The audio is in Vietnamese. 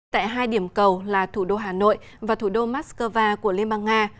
tại hai điểm cầu là thủ đô hà nội và thủ đô moscow của liên bang nga